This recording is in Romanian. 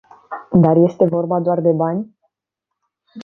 Dar este vorba doar de bani?